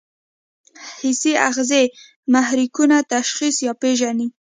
حسي آخذې محرکونه تشخیص یا پېژني.